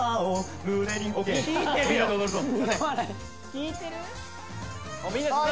引いてる？